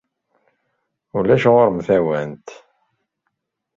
Ulac ɣur-m tawant.